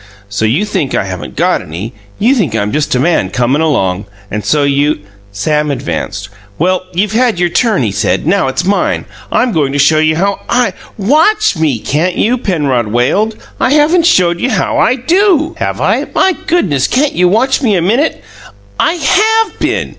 "So you think I haven't got any; you think I'm just a man comin' along, and so you " Sam advanced. "Well, you've had your turn," he said. "Now, it's mine. I'm goin' to show you how I " "WATCH me, can't you?" Penrod wailed. "I haven't showed you how I do, have I? My goodness! Can't you watch me a minute?" "I HAVE been!